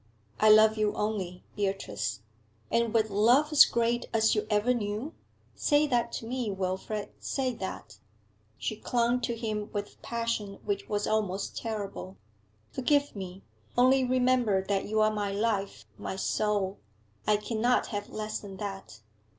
'I love you only, Beatrice.' 'And with love as great as you ever knew? Say that to me Wilfrid, say that!' She clung to him with passion which was almost terrible. 'Forgive me! Only remember that you are my life, my soul! I cannot have less than that.'